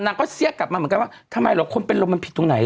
นางก็เสี้ยกลับมาเหมือนกันว่าทำไมเหรอคนเป็นลมมันผิดตรงไหน